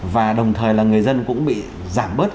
và đồng thời là người dân cũng bị giảm bớt